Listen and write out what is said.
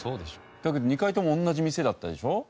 だけど２回とも同じ店だったでしょ。